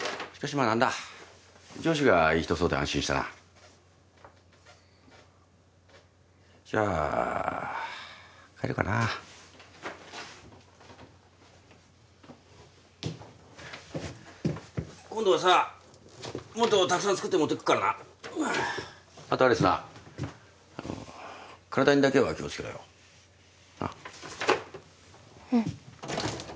まあ何だ上司がいい人そうで安心したなじゃあ帰るかな今度はさもっとたくさん作って持ってくっからなあと有栖な体にだけは気をつけろよなっうん